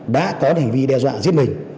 đã có hành vi đe dọa giết mình